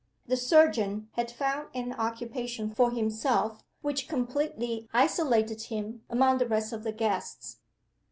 The surgeon had found an occupation for himself which completely isolated him among the rest of the guests.